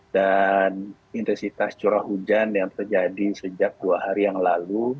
dan intensitas curah hujan yang terjadi sejak dua hari yang lalu